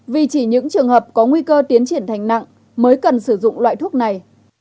vì chỉ những trường hợp có nguy cơ tiến triển thành nặng mới cần sử dụng loại thuốc này